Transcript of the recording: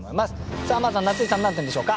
さあまずは夏井さん何点でしょうか？